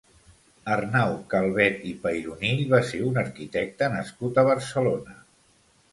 Arnau Calvet i Peyronill va ser un arquitecte nascut a Barcelona.